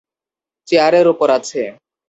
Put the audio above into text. চেয়ারের ওপর আছে।